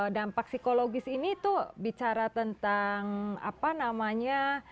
dampak psikologis ini tuh bicara tentang apa namanya